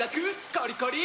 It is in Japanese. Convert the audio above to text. コリコリ！